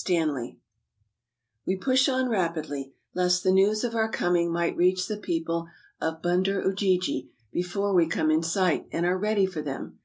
STANLEY TE push on rapidly, lest the news of our coming might reach the people of Bunder Ujiji before we come in sight, and are ready for them.